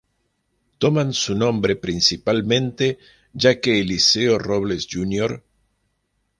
Toman su nombre principalmente ya que Eliseo Robles Jr.